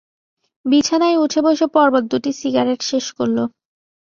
বিছানায় উঠে বসে পরপর দুটি সিগারেট শেষ করল।